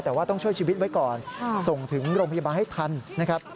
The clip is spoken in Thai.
แต่ว่าต้องช่วยชีวิตไว้ก่อนส่งถึงโรงพยาบาลให้ทันนะครับ